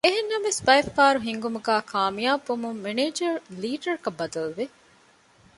އެހެންނަމަވެސް ބައެއްފަހަރު ހިންގުމުގައި ކާމިޔާބުވުމުން މެނޭޖަރު ލީޑަރަކަށް ބަދަލުވެ